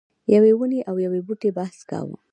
یوې ونې او یو بوټي بحث کاوه.